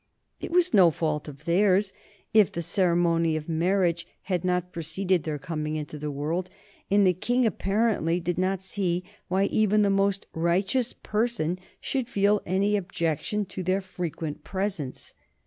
It was no fault of theirs if the ceremony of marriage had not preceded their coming into the world, and the King apparently did not see why even the most righteous person should feel any objection to their frequent presence.